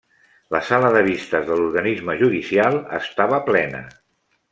La sala de vistes de l'Organisme Judicial estava plena.